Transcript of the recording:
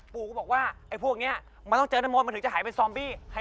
ปู่ก็บอกว่าไอ้พวกนี้มันต้องเจอน้ำมนต์มันถึงจะหายไปซอมบี้